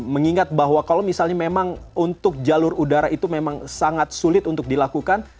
mengingat bahwa kalau misalnya memang untuk jalur udara itu memang sangat sulit untuk dilakukan